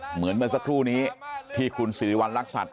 เหมือนเมื่อสักครู่นี้ที่คุณสิริวัณรักษัตริย์